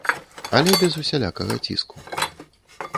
Але без усялякага ціску.